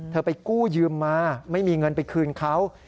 ไปกู้ยืมมาไม่มีเงินไปคืนเขา